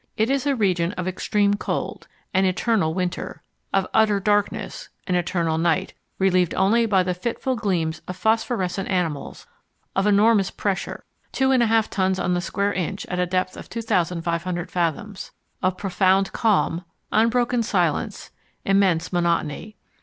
It is a region of extreme cold an eternal winter; of utter darkness an eternal night relieved only by the fitful gleams of "phosphorescent" animals; of enormous pressure 2 1/2 tons on the square inch at a depth of 2,500 fathoms; of profound calm, unbroken silence, immense monotony.